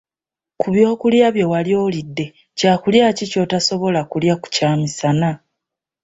Ku byokulya bye wali olidde, kyakulya ki ky'otasobola kulya ku kyamisana?